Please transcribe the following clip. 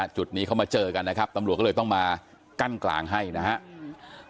จุดนี้เขามาเจอกันนะครับตำรวจก็เลยต้องมากั้นกลางให้นะครับ